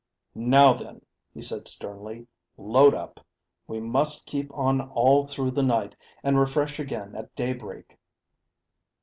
"Now then," he said sternly, "load up. We must keep on all through the night, and refresh again at daybreak."